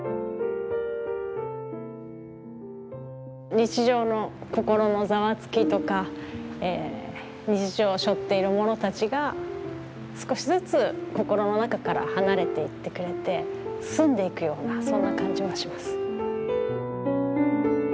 日常の心のざわつきとか日常しょっているものたちが少しずつ心の中から離れていってくれて澄んでいくようなそんな感じはします。